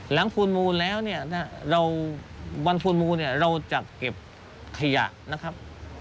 ภูลมูลแล้วเนี่ยเราวันพูนมูลเนี่ยเราจัดเก็บขยะนะครับ